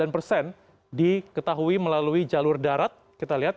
sembilan persen diketahui melalui jalur darat kita lihat